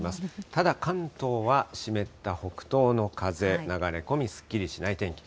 ただ、関東は湿った北東の風、流れ込み、すっきりしない天気。